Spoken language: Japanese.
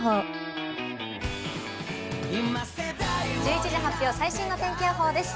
１１時発表の最新の天気予報です。